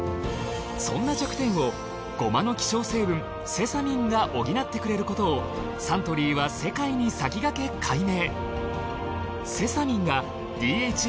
そんな弱点をゴマの稀少成分セサミンが補ってくれることをサントリーは世界に先駆け解明。